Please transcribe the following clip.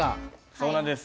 そうなんです。